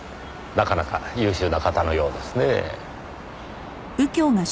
なかなか優秀な方のようですねぇ。